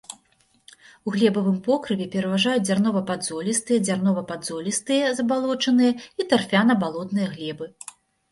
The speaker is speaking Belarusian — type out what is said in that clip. У глебавым покрыве пераважаюць дзярнова-падзолістыя, дзярнова-падзолістыя забалочаныя і тарфяна-балотныя глебы.